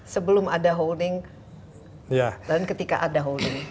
sebelum ada holding dan ketika ada holding